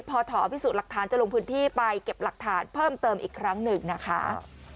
พอถอพิสูจน์หลักฐานจะลงพื้นที่ไปเก็บหลักฐานเพิ่มเติมอีกครั้งหนึ่งนะคะ